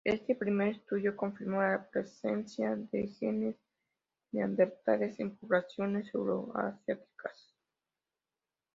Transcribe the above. Este primer estudio confirmó la presencia de genes neandertales en poblaciones euroasiáticas.